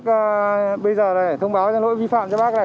bác bây giờ này thông báo cho lỗi vi phạm cho bác này